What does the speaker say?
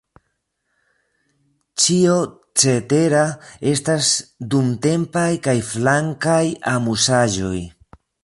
Ĉio cetera estas dumtempaj kaj flankaj amuzaĵoj.